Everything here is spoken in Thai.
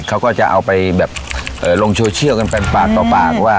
เขาก็จะเอาไปแบบลงโซเชียลกันเป็นปากต่อปากว่า